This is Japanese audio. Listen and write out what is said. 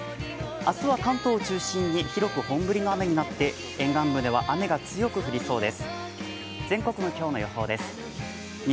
明日は関東を中心に広く本降りの雨になって、沿岸部では雨が強く降りそうで。